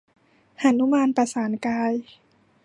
หนุมานประสานกาย